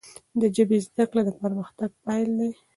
د ژبي زده کړه، د پرمختګ پیل دی.